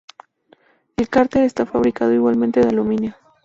El cárter está fabricado igualmente de aluminio.